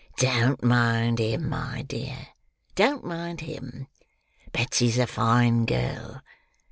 Don't mind him, my dear; don't mind him. Betsy's a fine girl.